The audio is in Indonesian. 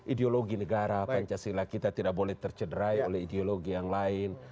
ideologi negara pancasila kita tidak boleh tercederai oleh ideologi yang lain